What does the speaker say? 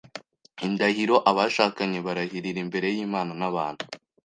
indahiro abashakanye barahirira imbere y’Imana n’abantu